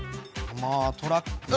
まあトラックだな。